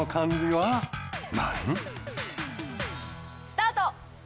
スタート！